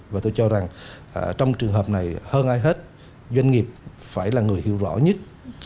và tôi cho rằng trong trường hợp này hơn ai hết doanh nghiệp phải là người hiểu rõ nhất